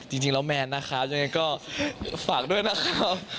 จริงแล้วแมนนะครับยังไงก็ฝากด้วยนะครับ